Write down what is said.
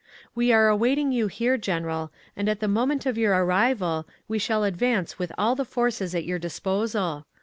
"We are awaiting you here, General, and at the moment of your arrival, we shall advance with all the forces at our disposal.